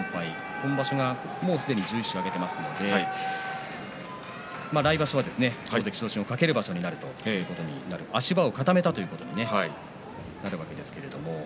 今場所はすでに１１勝を挙げていますので来場所は大関昇進を懸ける場所になると足場を固めたということになるわけですけれども。